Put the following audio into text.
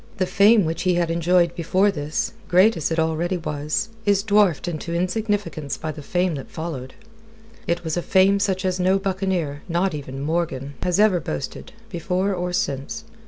The fame which he had enjoyed before this, great as it already was, is dwarfed into insignificance by the fame that followed. It was a fame such as no buccaneer not even Morgan has ever boasted, before or since.